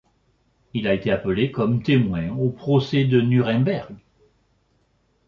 Il a été appelé comme témoin au Procès de Nuremberg.